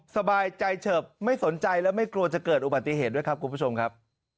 สบายใจเฉิบไม่สนใจและไม่กลัวจะเกิดอุบัติเหตุด้วยครับคุณผู้ชมครับ